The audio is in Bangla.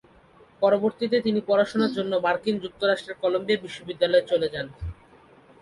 পরবর্তীতে তিনি পড়াশোনার জন্য মার্কিন যুক্তরাষ্ট্রের কলাম্বিয়া বিশ্ববিদ্যালয়ে চলে যান।